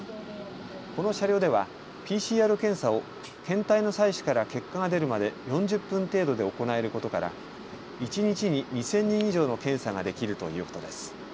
この車両ではＰＣＲ検査を検体の採取から結果が出るまで４０分程度で行えることから一日に２０００人以上の検査ができるということです。